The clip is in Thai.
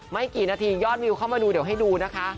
ไม่กี่นาทียอดวิวเข้ามาดูเดี๋ยวให้ดูนะคะ